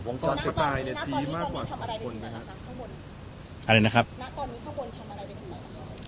หวงตอนจะตายในชีวิตมากกว่าสี่คนไหมครับข้างบนอะไรนะครับข้างบน